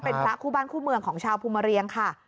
เป็นพระคู่บ้านคู่เมืองของชาวภูมิเรียงค่ะ